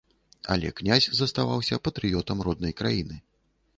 Але князь заставаўся патрыётам роднай краіны.